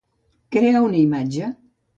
Crear una imatge.